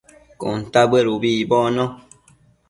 cuntabëd ubi icbocno